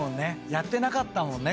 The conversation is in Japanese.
やってなかったもんね